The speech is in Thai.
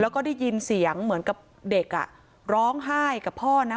แล้วก็ได้ยินเสียงเหมือนกับเด็กอ่ะร้องไห้กับพ่อนะ